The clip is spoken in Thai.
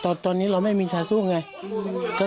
แต่ตอนนี้เราไม่มีทาร์ทสู้ไง